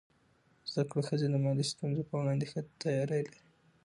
زده کړه ښځه د مالي ستونزو پر وړاندې ښه تیاری لري.